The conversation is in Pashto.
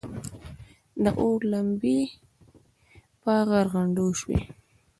د اور لمبې پر غرغنډو شوې.